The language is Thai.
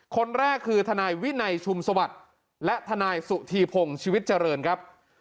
คนแรกคือทนายวินัยชุมสวัสดิ์และทนายสุธีพงศ์ชีวิตเจริญครับ